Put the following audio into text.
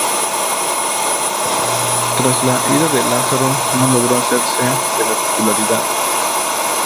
Tras la ida de Lazzaro no logró hacerse de la titularidad.